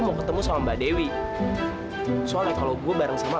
mana nih suara